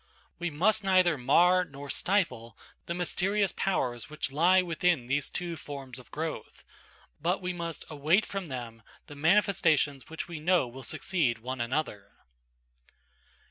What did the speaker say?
We must neither mar nor stifle the mysterious powers which lie within these two forms of growth, but we must await from them the manifestations which we know will succeed one another.